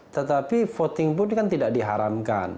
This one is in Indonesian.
tetapi voting pun kan tidak diharamkan